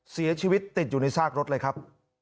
เสียชีวิตติดอยู่ในซากรถเลยครับ